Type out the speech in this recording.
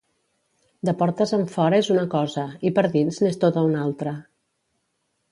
De portes enfora és una cosa, i per dins n'és tota una altra.